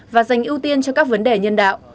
và dành ưu tiên cho các vấn đề nhân đạo